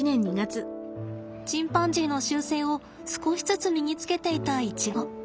チンパンジーの習性を少しずつ身につけていたイチゴ。